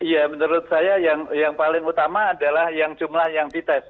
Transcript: ya menurut saya yang paling utama adalah yang jumlah yang dites